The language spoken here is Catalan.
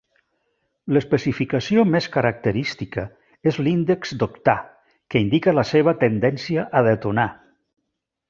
L'especificació més característica és l'índex d'octà, que indica la seva tendència a detonar.